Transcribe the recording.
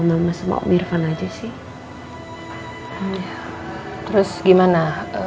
mama semua mirvan aja sih terus gimana